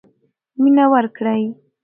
مینه ورکړئ.